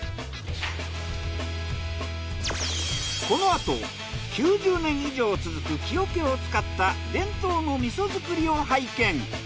このあと９０年以上続く木桶を使った伝統の味噌作りを拝見。